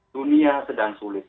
dunia sedang sulit